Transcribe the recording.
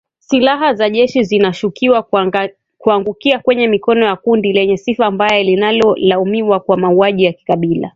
Silaha za jeshi zinashukiwa kuangukia kwenye mikono ya kundi lenye sifa mbaya linalolaumiwa kwa mauaji ya kikabila.